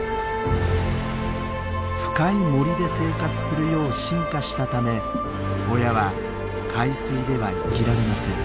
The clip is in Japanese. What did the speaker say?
深い森で生活するよう進化したため親は海水では生きられません。